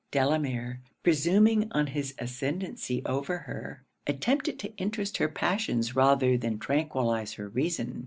Delamere, presuming on his ascendancy over her, attempted to interest her passions rather than tranquillize her reason.